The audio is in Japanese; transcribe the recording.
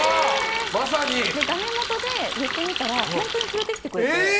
ダメもとで言ってみたら本当に連れてきてくれて。